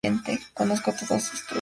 Conozco todos sus trucos.